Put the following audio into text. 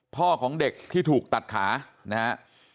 พ่อของเด็กที่ถูกตัดขานะฮะ